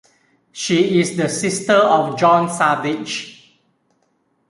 She is the sister of John Savage.